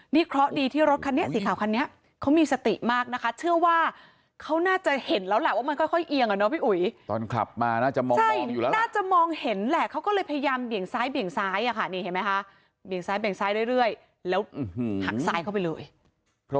นี่เอียงแล้วค่ะ